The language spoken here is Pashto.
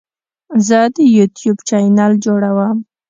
زه د یوټیوب چینل جوړوم.